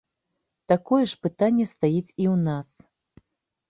Такое ж пытанне стаіць і ў нас.